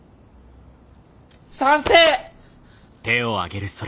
賛成！